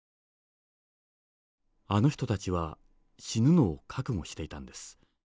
あの人たちは死ぬのを覚悟していたんです。